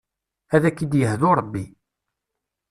Ad k-id-yehdu Rebbi.